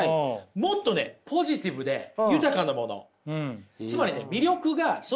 もっとねポジティブで豊かなもの。